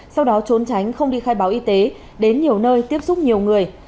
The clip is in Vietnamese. sau đó trốn tránh không đi khai báo y tế đến nhiều nơi tiếp xúc nhiều người